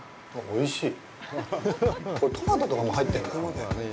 おいしい！